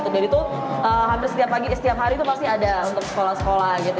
dan itu hampir setiap pagi setiap hari itu pasti ada untuk sekolah sekolah gitu